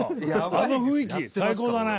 あの雰囲気最高だね！